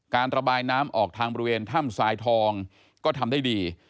ระบายน้ำออกทางบริเวณถ้ำทรายทองก็ทำได้ดี